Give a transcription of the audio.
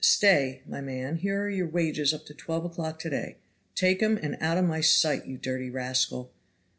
Stay, my man, here are your wages up to twelve o'clock to day, take 'em and out of my sight, you dirty rascal.